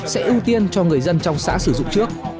sẽ ưu tiên cho người dân trong xã sử dụng trước